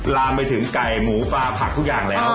ลามไปถึงไก่หมูปลาผักทุกอย่างแล้ว